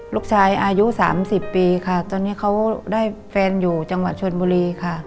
ลูกชายอายุ๓๐ปีค่ะตอนนี้เขาได้แฟนอยู่จังหวัดชนบุรีค่ะ